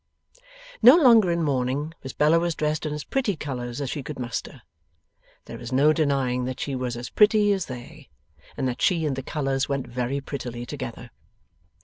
No longer in mourning, Miss Bella was dressed in as pretty colours as she could muster. There is no denying that she was as pretty as they, and that she and the colours went very prettily together.